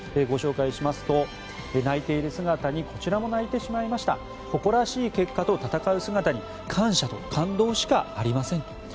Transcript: ご紹介しますと泣いている姿にこちらも泣いてしまいました誇らしい結果と戦う姿に感謝と感動しかありません。